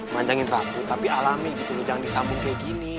manjangin rapuh tapi alami gitu loh jangan disambung kayak gini